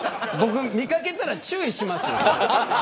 僕、見掛けたら注意しますよ。